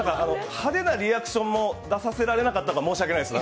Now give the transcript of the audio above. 派手なリアクションも出させられなかったのが申し訳ないです。